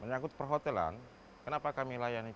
menyangkut perhotelan kenapa kami layani